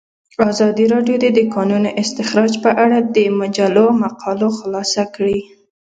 ازادي راډیو د د کانونو استخراج په اړه د مجلو مقالو خلاصه کړې.